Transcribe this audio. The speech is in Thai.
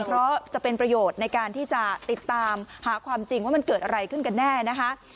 เพราะจะเป็นประโยชน์ในการที่จะติดตามหาความจริงว่ามันเกิดอะไรขึ้นกันแน่นะคะ